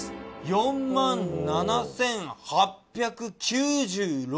４万７，８９６。